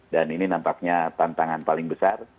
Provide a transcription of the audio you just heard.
dan ini nampaknya tantangan paling besar